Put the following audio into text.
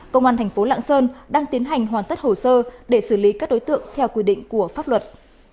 công an thành phố lạng sơn đang tiến hành hoàn tất hồ sơ để xử lý các đối tượng theo quy định của pháp luật